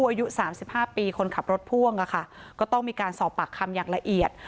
อายุสามสิบห้าปีคนขับรถพ่วงอะค่ะก็ต้องมีการสอบปากคำอย่างละเอียด